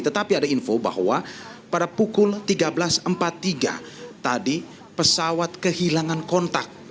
tetapi ada info bahwa pada pukul tiga belas empat puluh tiga tadi pesawat kehilangan kontak